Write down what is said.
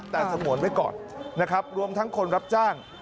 ฝ่างสมวนไว้ก่อนรวมทั้งคนรับจ้าง